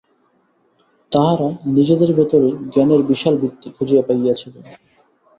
তাঁহারা নিজেদের ভিতরেই জ্ঞানের বিশাল ভিত্তি খুঁজিয়া পাইয়াছিলেন।